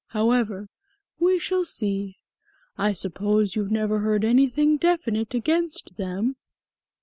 However, we shall see. I suppose you've never heard anything definite against them?"